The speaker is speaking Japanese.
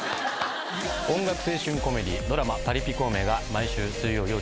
音楽青春コメディードラマ『パリピ孔明』が毎週水曜夜１０時に放送中です。